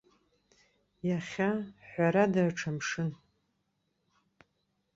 Иахьа, ҳәарада, аҽа мшын.